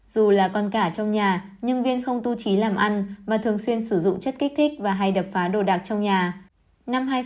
dù là con cả trong nhà nhưng viên không tu trí làm ăn mà thường xuyên sử dụng chất kích thích và hay đập phá đồ đạc trong nhà